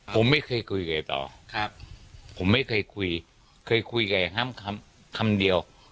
ผมไม่เคยคุยกับเขาต่อครับผมไม่เคยคุยเคยคุยกับเขาอย่างงั้นคำเดียว